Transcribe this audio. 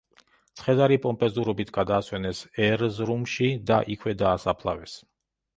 ცხედარი პომპეზურობით გადაასვენეს ერზრუმში და იქვე დაასაფლავეს.